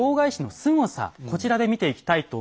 こちらで見ていきたいと思います。